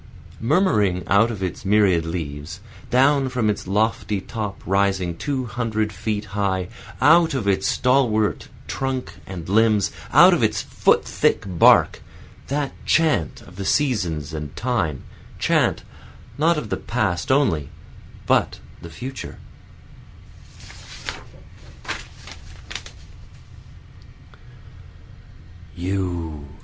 Murmuring out of its myriad leaves, Down from its lofty top rising two hundred feet high, Out of its stalwart trunk and limbs, out of its foot thick bark, That chant of the seasons and time, chant not of the past only but the future.